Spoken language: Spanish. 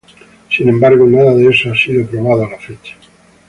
Sin embargo nada de eso ha sido probado a la fecha.